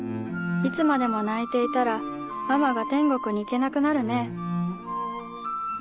いつまでも泣いていたらママが天国に行けなくなるね』」